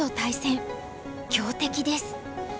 強敵です。